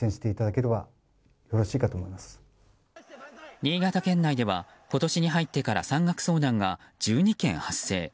新潟県内では今年に入ってから山岳遭難が１２件発生。